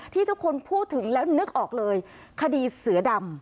ที่ทุกคนพูดถึงแล้วนึกออกเลยคดีเสือดำ